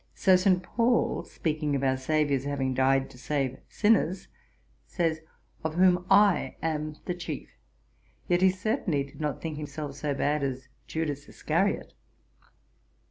So St. Paul, speaking of our SAVIOUR'S having died to save sinners, says, "of whom I am the chief;" yet he certainly did not think himself so bad as Judas Iscariot.'